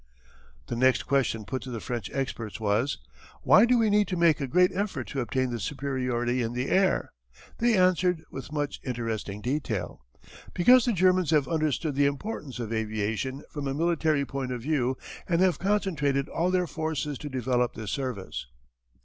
The next question put to the French experts was: "Why do we need to make a great effort to obtain the superiority in the air?" They answered with much interesting detail: "Because the Germans have understood the importance of aviation from a military point of view and have concentrated all their forces to develop this service.